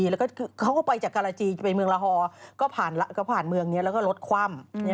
แล้วก็เขาก็ไปจากการาจีจะไปเมืองละฮอก็ผ่านเมืองนี้แล้วก็รถคว่ำ